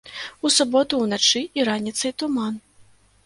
У суботу уначы і раніцай туман.